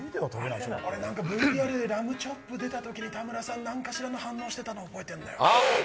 ラムチョップ出たとき、田村さん何かしらの反応してたの覚えてんだよ。